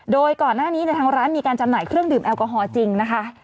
โดยก่อนหน้านี้ทางร้านมีการจำหน่ายเครื่องดื่มแอลกอฮอลจริงนะคะ